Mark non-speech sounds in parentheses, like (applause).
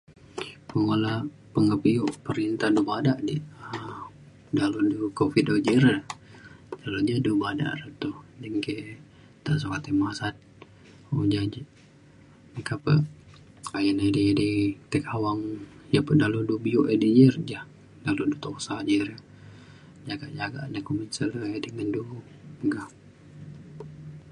Pengela pengebio perinta du bada di dalau du Covid ji re ilu je du bada re du kenggei ta sukat tai masat o ja je meka pe ayen edei edei tai kawang iu pa dalau du bio (unintelligible) re ja ayen petusa ji re jagak jagak na kumbin se rendi ngen du meka